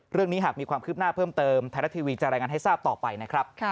เรื่องนี้หากมีความคืบหน้าเพิ่มเติมไทยรัฐทีวีจะรายงานให้ทราบต่อไปนะครับ